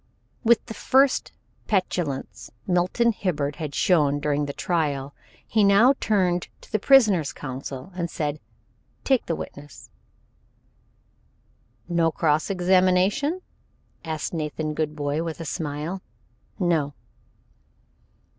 With the first petulance Milton Hibbard had shown during the trial he now turned to the prisoner's counsel and said: "Take the witness." "No cross examination?" asked Nathan Goodbody, with a smile. "No."